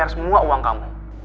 aku bayar semua uang kamu